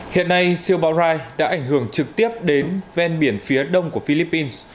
hiện nay siêu bão rai đã ảnh hưởng trực tiếp đến ven biển phía đông của philippines